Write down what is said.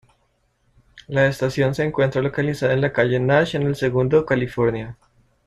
La estación se encuentra localizada en la Calle Nash en El Segundo, California.